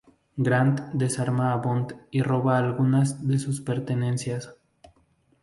Grant desarma a Bond y roba algunas de sus pertenencias.